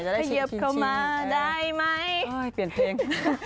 จะได้ชิงใช่ไหมเอ้ยเปลี่ยนเพลง